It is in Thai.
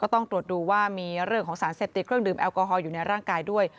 ต้องตรวจดูว่ามีเรื่องของสารเสพติดเครื่องดื่มแอลกอฮอลอยู่ในร่างกายด้วย